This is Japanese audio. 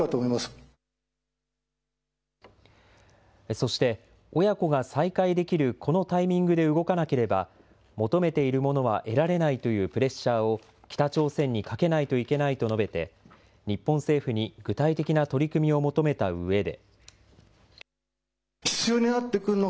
そして親子が再会できるこのタイミングで動かなければ、求めているものは得られないというプレッシャーを北朝鮮にかけないといけないと述べて、日本政府に具体的な取り組みを求めたうえで。